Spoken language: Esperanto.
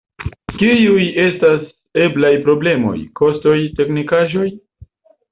Kiuj estas eblaj problemoj, kostoj, teknikaĵoj?